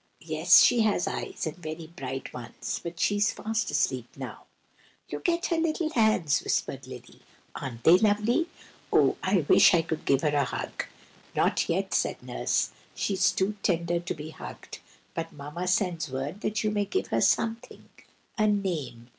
"Yes; she has eyes, and very bright ones, but she is fast asleep now." "Look at her little hands!" whispered Lily. "Aren't they lovely? Oh, I do wish I could give her a hug!" "Not yet," said Nurse. "She is too tender to be hugged. But Mamma sends word that you may give her something,—a name.